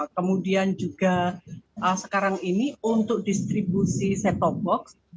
kemudian juga sekarang ini untuk distribusi set top box